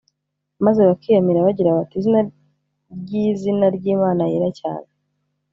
maze bakiyamira bagira bati izina ry iizina ry imana yera cyane